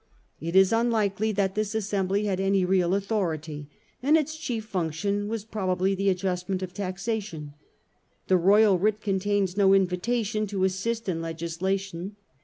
It is unlikely that this Assembly had any great authority, and its chief function was probably the adjustment of taxation. The royal writ contains no invitation to assist in legislation.